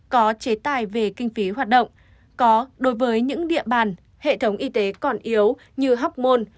có chế tài về kinh phí hoạt động có đối với những địa bàn hệ thống y tế còn yếu như học môn